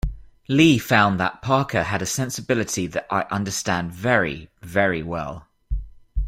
Leigh found that Parker had a sensibility that I understand very, very well.